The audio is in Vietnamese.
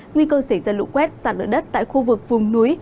nguy cơ xảy ra lụ quét giảm lửa đất tại khu vực vùng núi